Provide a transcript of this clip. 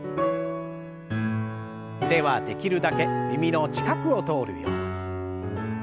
腕はできるだけ耳の近くを通るように。